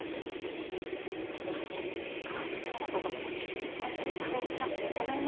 あっ幹事長のこと全然探れてなくてごめんね。